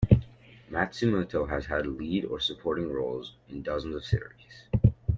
Matsumoto has had lead or supporting roles in dozens of series.